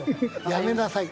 やめなさい。